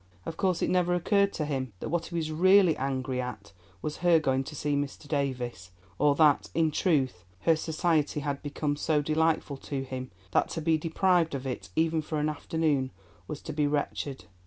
Of course it never occurred to him that what he was really angry at was her going to see Mr. Davies, or that, in truth, her society had become so delightful to him that to be deprived of it even for an afternoon was to be wretched.